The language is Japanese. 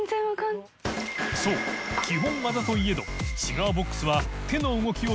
磴修基本技といえどシガーボックスは磴靴型浩